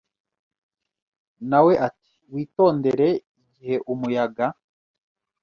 Na we ati Witondere igihe umuyaga